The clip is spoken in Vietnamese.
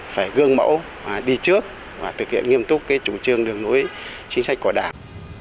phải gương mẫu đi trước và thực hiện nghiêm túc chủ trương đường lối chính sách của đảng